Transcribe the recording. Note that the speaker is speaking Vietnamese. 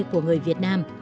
của người việt nam